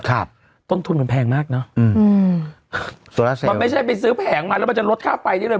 ครับต้นทุนมันแพงมากเนอะอืมอืมมันไม่ใช่ไปซื้อแผงมาแล้วมันจะลดค่าไฟได้เลย